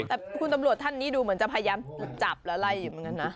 แต่คุณตำรวจท่านนี้ดูเหมือนจะพยายามจับแล้วไล่อยู่เหมือนกันนะ